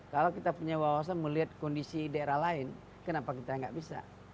kalau kita punya wawasan melihat kondisi daerah lain kenapa kita nggak bisa